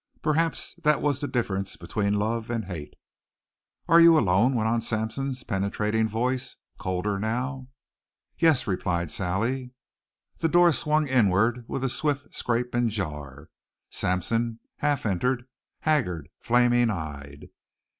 Perhaps that was the difference between love and hate. "Are you alone?" went on Sampson's penetrating voice, colder now. "Yes," replied Sally. The door swung inward with a swift scrape and jar. Sampson half entered, haggard, flaming eyed.